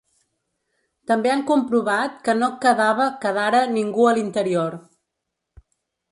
També han comprovat que no quedava quedara ningú a l’interior.